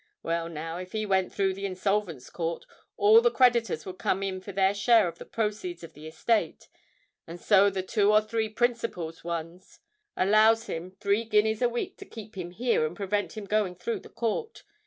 Well, now—if he went through the Insolvents' Court, all the creditors would come in for their share of the proceeds of the estate; and so the two or three principals ones allow him three guineas a week to keep him here and prevent him going through the Court.